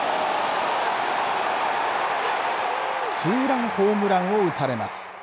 ツーランホームランを打たれます。